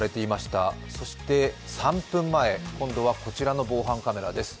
そして、３分前今度はこちらの防犯カメラです。